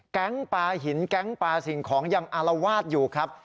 ปลาหินแก๊งปลาสิ่งของยังอารวาสอยู่ครับ